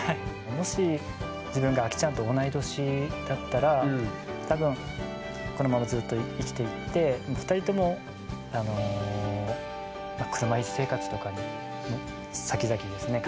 もし自分がアキちゃんと同い年だったら多分このままずっと生きていって２人ともあの車いす生活とかにさきざきですね